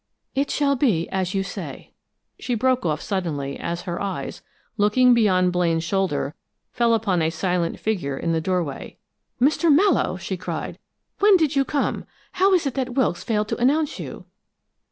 "It shall be as you say " She broke off suddenly as her eyes, looking beyond Blaine's shoulder, fell upon a silent figure in the doorway. "Mr. Mallowe!" she cried. "When did you come? How is it that Wilkes failed to announce you?"